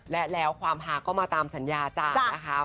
และแล้วความฮาก็มาตามสัญญาจ้านะคะ